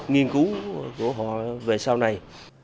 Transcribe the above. nghiên cứu của họ về sau này